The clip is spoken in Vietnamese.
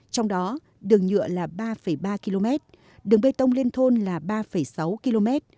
trong đó đường nhựa là ba ba km đường bê tông liên thôn là ba sáu km